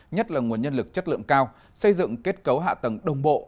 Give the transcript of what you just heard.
nhất là nguồn nhân lực chất lượng cao xây dựng kết cấu hạ tầng đồng bộ